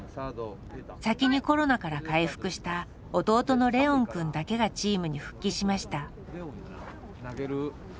先にコロナから回復した弟のレオンくんだけがチームに復帰しました。